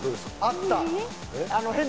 あった！